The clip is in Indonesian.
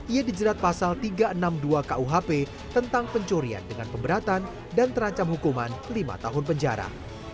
ia dijerat pasal tiga ratus enam puluh dua kuhp tentang pencurian dengan pemberatan dan terancam hukuman lima tahun penjara